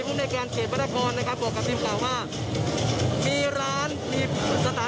ในการเขตพระนครนะครับบอกกับทีมข่าวว่ามีร้านมีสถาน